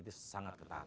itu sangat ketat